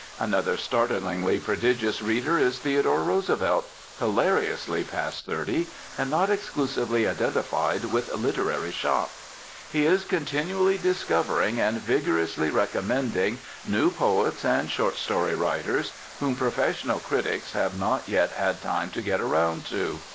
Another startlingly prodigious reader is Theodore Roosevelt, hilariously past thirty, and not exclusively identified with literary "shop." He is continually discovering and vigorously recommending new poets and short story writers whom professional critics have not yet had time to get around to.